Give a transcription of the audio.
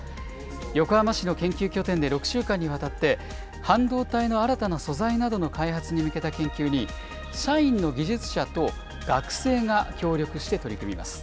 横浜市の研究拠点で６週間にわたって、半導体の新たな素材などの開発に向けた研究に、社員の技術者と学生が協力して取り組みます。